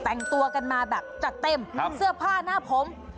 แต่งตัวกันมาแบบจัดเต็มเสื้อผ้าหน้าผม